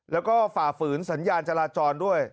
แล้วก็ฝ่าฝืนสัญญาณจราจรด้วย